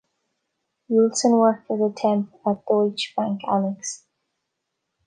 Wilson worked as a temp at Deutsche Bank Alex.